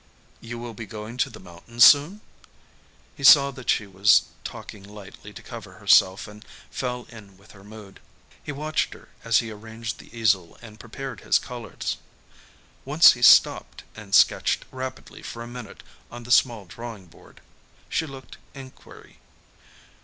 "You will be going to the mountains soon?" He saw that she was talking lightly to cover herself, and fell in with her mood. He watched her as he arranged the easel and prepared his colors. Once he stopped and sketched rapidly for a minute on the small drawing board. She looked inquiry.